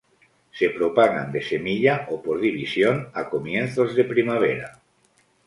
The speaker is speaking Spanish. Se propagan de semilla o por división a comienzos de primavera.